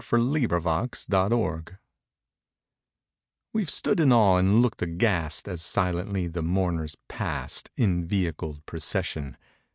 THE BLISSFUL GRAVE We've stood in awe and looked aghast As silently the mourners passed In vehicled procession.